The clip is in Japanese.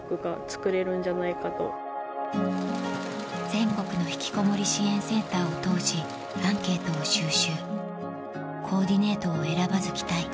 全国のひきこもり支援センターを通しアンケートを収集「コーディネートを選ばず着たい」